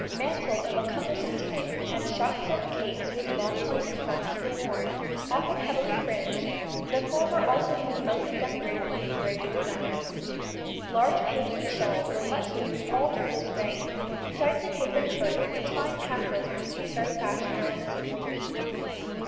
] Mantles of a cumbersome type and shot silk capes with long pointed fronts were worn, often heavily fringed, the former also being mostly decorated with braided designs. Large Paisley shawls were much used all through this reign, besides the cape and hood with its fine tassels which became very fashionable in the sixties.